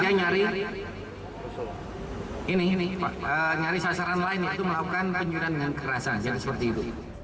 jadi mereka nyari sasaran lain yaitu melakukan penyuruhan dengan kerasa jadi seperti itu